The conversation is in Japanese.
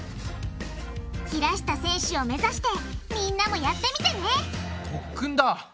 平下選手を目指してみんなもやってみてね特訓だ！